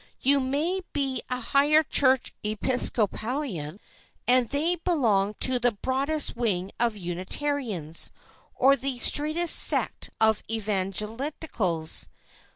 You may be a high church Episcopalian and they belong to the broadest wing of Unitarians or the straitest sect of Evangelicals.